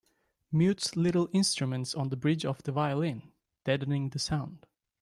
Mutes little instruments on the bridge of the violin, deadening the sound.